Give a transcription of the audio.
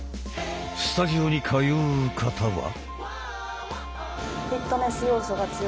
スタジオに通う方は。